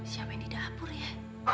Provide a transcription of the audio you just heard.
siapa yang di dapur ya